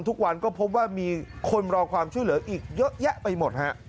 ทุกวันก็พบว่ามีคนรอความช่วยเหลืออีกเยอะแยะไปหมดฮะ